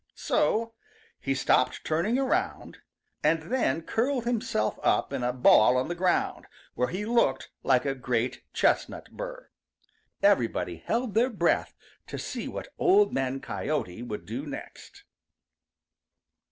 So he stopped turning around, and then curled himself up in a ball on the ground, where he looked like a great chestnut burr. Everybody held their breath to see what Old Man Coyote would do next.